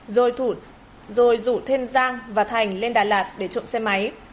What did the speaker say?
rồi rủ thêm giang và thành lên đà lạt để trộm xe máy